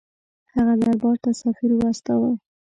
هغه دربار ته سفیر واستاوه.